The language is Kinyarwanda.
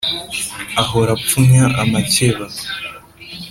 ahora apfunya amakeba,